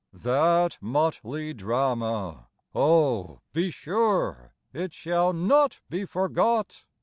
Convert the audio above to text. That motley drama—oh, be sureIt shall not be forgot!